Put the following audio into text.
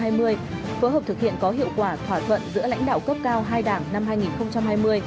phối hợp thực hiện có hiệu quả thỏa thuận giữa lãnh đạo cấp cao hai đảng năm hai nghìn hai mươi